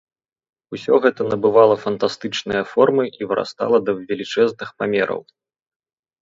Усё гэта набывала фантастычныя формы і вырастала да велічэзных памераў.